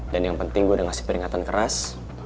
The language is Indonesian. dan yang penting gue udah ngasih peringatan keras